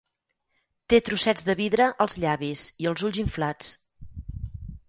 Té trossets de vidre als llavis i els ulls inflats.